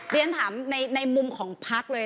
ดิฉันถามในมุมของภาคเลย